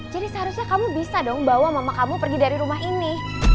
jadi seharusnya kamu bisa dong bawa mama kamu pergi dari rumah ini